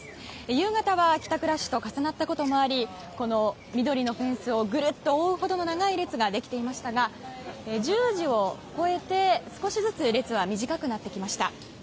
夕方は帰宅ラッシュと重なったこともありこの緑のフェンスをぐるっと覆うほどの長い列ができていましたが１０時を超えて少しずつ列は短くなってきました。